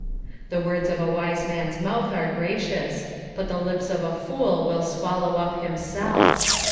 21:010:012 The words of a wise man's mouth are gracious; but the lips of a fool will swallow up himself.